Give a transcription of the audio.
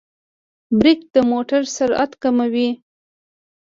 برېک د موټر سرعت کموي.